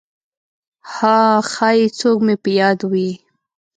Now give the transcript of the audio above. «ها… ښایي څوک مې په یاد وي!»